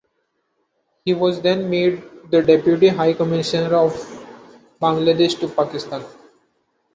He was then made the Deputy High Commissioner of Bangladesh to Pakistan.